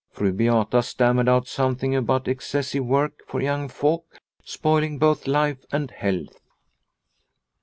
Fru Beata stammered out something about excessive work for young folk spoiling both life and health.